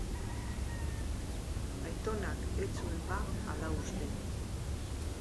Aitonak ez zuen ba hala uste.